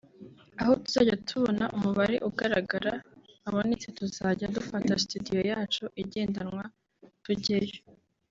aho tuzajya tubona umubare ugaragara wabonetse tuzajya dufata studio yacu igendanwa tujyeyo”